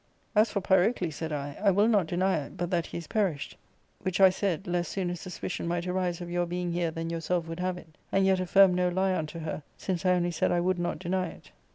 " 'As for Pyrocles,' said I, ' I will not deny it but that he is perished ;' which I said, lest sooner suspicion might arise of your being here than yourself would have it, and yet affirmed no lie unto her, since I only said I would not deny it.